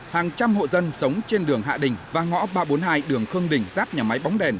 hàng trăm hộ dân sống trên đường hạ đình và ngõ ba trăm bốn mươi hai đường khương đình giáp nhà máy bóng đèn